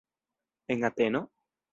En Ateno?